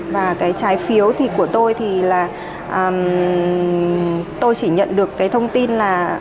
và cái trái phiếu thì của tôi thì là tôi chỉ nhận được cái thông tin là